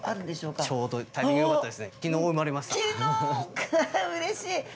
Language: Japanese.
うれしい！